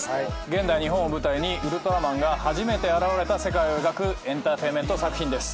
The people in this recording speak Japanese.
現代日本を舞台にウルトラマンが初めて現れた世界を描くエンターテインメント作品です。